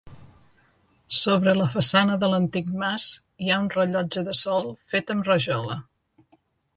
Sobre la façana de l'antic mas, hi ha un rellotge de sol fet amb rajola.